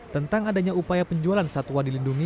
tentang adanya upaya penjualan satwa dilindungi